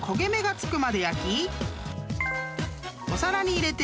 ［お皿に入れて］